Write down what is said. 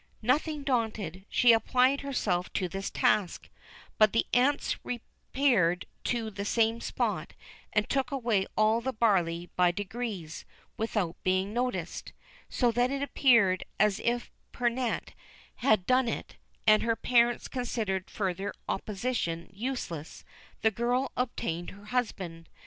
Nothing daunted, she applied herself to this task; but the ants repaired to the same spot, and took away all the barley by degrees, without being noticed, so that it appeared as if Pernette had done it; and her parents considering further opposition useless, the girl obtained her husband.